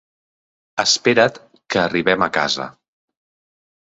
Espera't que arribem a casa.